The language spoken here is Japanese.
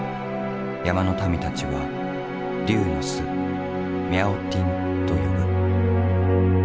山の民たちは龍の巣ミャオティンと呼ぶ。